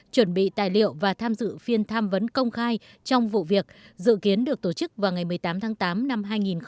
chuẩn bị tài liệu và tham dự phiên tham vấn công khai trong vụ việc dự kiến được tổ chức vào ngày một mươi tám tháng tám năm hai nghìn hai mươi